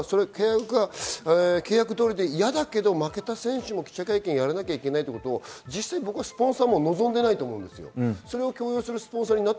契約通りで嫌だけど負けた選手の記者会見やらなきゃいけないことをスポンサーも望んでいないと思います。